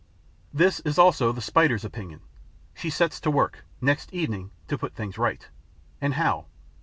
This is also the Spider's opinion. She sets to work, next evening, to put things right. And how?